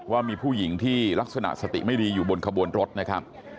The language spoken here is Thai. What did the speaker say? ว่ามีผู้หญิงที่ลักษณะสติไม่ดีอยู่บนขบวนรถนะครับ